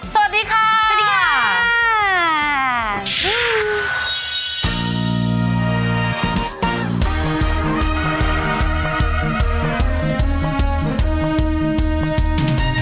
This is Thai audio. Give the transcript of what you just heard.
สวัสดีค่ะ